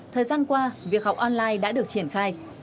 thời gian qua việc học online đã được triển khai